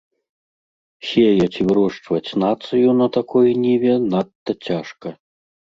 Сеяць і вырошчваць нацыю на такой ніве надта цяжка.